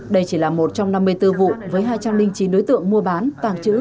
đây chỉ là một trong năm mươi bốn vụ với hai trăm linh chín đối tượng mua bán tàng trữ